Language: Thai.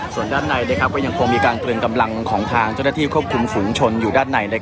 ส่วนด้านในก็ยังคงมีการตรึงกำลังของทางเจ้าหน้าที่ควบคุมฝูงชนอยู่ด้านใน